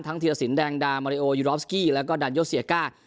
ทั้งธีรศิลป์แดงดามอเรโอยูโรฟสกี้แล้วก็ดันโยเซียก้า